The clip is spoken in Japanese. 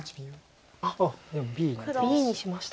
あっＢにしました。